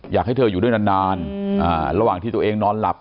อยากให้เธออยู่ด้วยนานระหว่างที่ตัวเองนอนหลับ